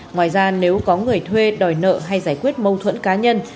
ngoài ra nếu có người thuê đòi nợ hay giải quyết mâu thuẫn cá nhân